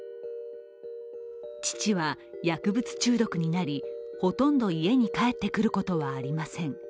父は薬物中毒になりほとんど家に帰ってくることはありません。